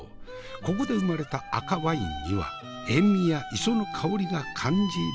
ここで生まれた赤ワインには塩味や磯の香りが感じられるというが。